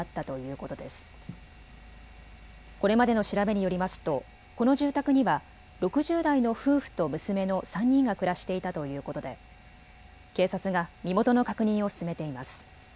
これまでの調べによりますとこの住宅には６０代の夫婦と娘の３人が暮らしていたということで警察が身元の確認を進めています。